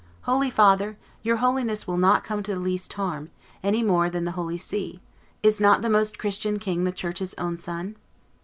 "Holy father, your Holiness will not come to the least harm, any more than the holy See: is not the Most Christian king the church's own son?"